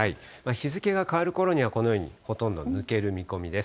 日付が変わるころには、このようにほとんど抜ける見込みです。